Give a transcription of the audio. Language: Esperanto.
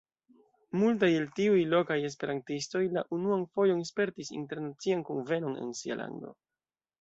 Multaj el tiuj lokaj esperantistoj la unuan fojon spertis internacian kunvenon en sia lando.